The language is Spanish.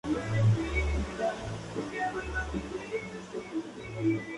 Tuvo como sede de sus partidos la ciudad de Guadalajara, Jalisco.